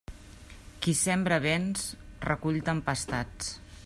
Qui sembra vents recull tempestats.